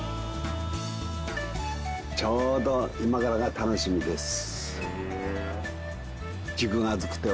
ちょうど今からが楽しみです。